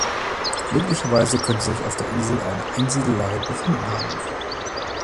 Möglicherweise könnte sich auf der Insel eine Einsiedelei befunden haben.